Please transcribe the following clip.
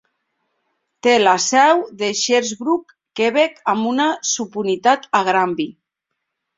Té la seu a Sherbrooke, Quebec, amb una subunitat a Granby.